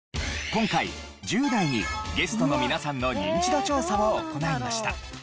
今回１０代にゲストの皆さんのニンチド調査を行いました。